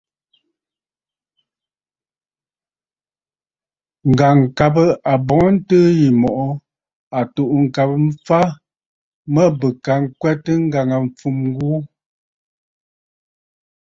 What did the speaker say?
Ŋ̀gàŋkabə àbɔ̀ŋəntɨɨ yì mɔ̀ʼɔ à tù'û ŋ̀kabə mfa mə bɨ ka ŋkwɛtə ŋgàŋâfumə ghu.